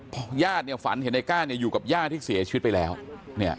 พอญาติเนี่ยฝันเห็นในก้าเนี่ยอยู่กับย่าที่เสียชีวิตไปแล้วเนี่ย